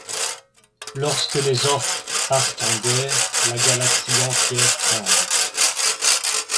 Lorsque les Orks partent en guerre, la galaxie entière tremble.